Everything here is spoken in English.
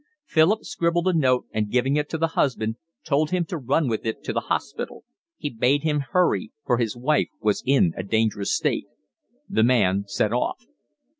Philip scribbled a note, and giving it to the husband, told him to run with it to the hospital; he bade him hurry, for his wife was in a dangerous state. The man set off.